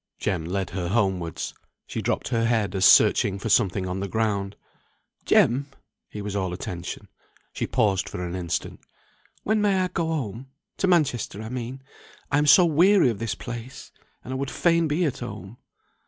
Jem led her homewards. She dropped her head as searching for something on the ground. "Jem!" He was all attention. She paused for an instant. "When may I go home? To Manchester, I mean. I am so weary of this place; and I would fain be at home."